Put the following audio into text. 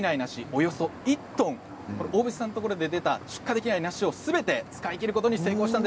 およそ１トン大渕さんのところできた出荷できない梨をすべて使い切ることに成功しました。